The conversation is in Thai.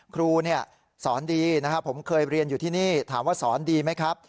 ครูสอนดีนะครับผมเคยเรียนอยู่ที่นี่ถามว่าสอนดีไหมครับ